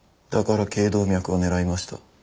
だから頸動脈を狙いました。